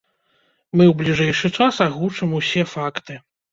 Мы ў бліжэйшы час агучым ўсе факты.